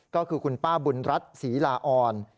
ก็คือคุณป้าบุญรัฐศรีลาออน